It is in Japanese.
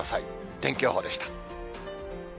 天気予報でした。